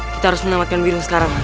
kita harus menamatkan diri sekarang